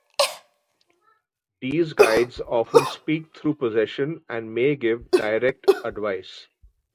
These guides often speak through possession, and may give direct advice.